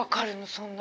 そんな。